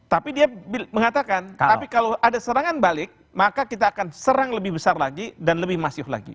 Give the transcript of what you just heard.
tapi dia mengatakan tapi kalau ada serangan balik maka kita akan serang lebih besar lagi dan lebih masif lagi